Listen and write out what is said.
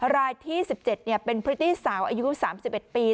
รายที่๑๗เป็นพริตตี้สาวอายุ๓๑ปี